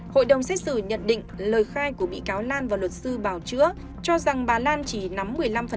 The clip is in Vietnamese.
hội đồng xét xử nhận định lời khai của bị cáo lan và luật sư bảo chữa cho rằng bà lan chỉ nắm một mươi năm